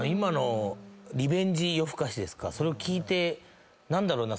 それを聞いて何だろうな。